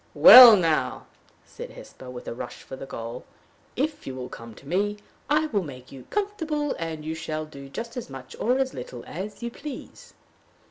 "Well, now," said Hesper, with a rush for the goal, "if you will come to me, I will make you comfortable; and you shall do just as much or as little as you please."